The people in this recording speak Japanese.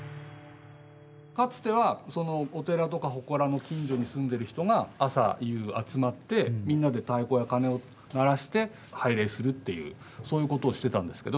かつてはお寺とか祠の近所に住んでる人が朝夕集まってみんなで太鼓やかねを鳴らして拝礼するっていうそういうことをしてたんですけど